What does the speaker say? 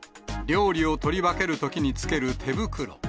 料理を取り分けるときにつける手袋。